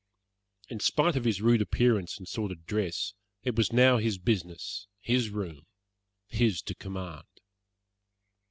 In spite of his rude appearance and sordid dress, it was now his business, his room, his to command.